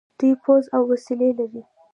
دوی پوځ او وسلې لري.